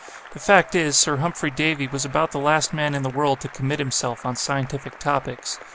The fact is, Sir Humphrey Davy was about the last man in the world to commit himself on scientific topics.